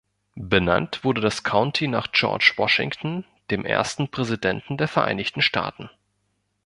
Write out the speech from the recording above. Benannt wurde das County nach George Washington, dem ersten Präsidenten der Vereinigten Staaten.